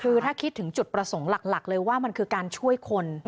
คือถ้าคิดถึงจุดประสงค์หลักเลยว่ามันคือการช่วยคน